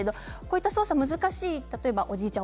操作が難しいおじいちゃん